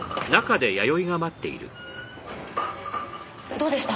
どうでした？